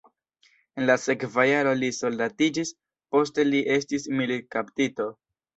En la sekva jaro li soldatiĝis, poste li estis militkaptito.